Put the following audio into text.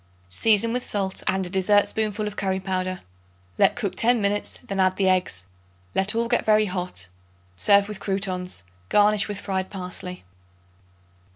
Season with salt and a dessertspoonful of curry powder. Let cook ten minutes; then add the eggs. Let all get very hot. Serve with croutons; garnish with fried parsley.